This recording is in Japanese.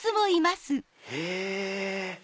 へぇ！